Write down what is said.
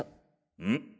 うん。